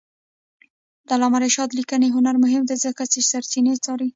د علامه رشاد لیکنی هنر مهم دی ځکه چې سرچینې څاري.